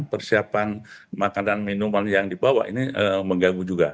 persiapan makanan minuman yang dibawa ini mengganggu juga